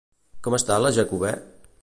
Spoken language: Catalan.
Com està la Jacobè?